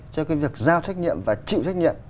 cho cái việc giao trách nhiệm và chịu trách nhiệm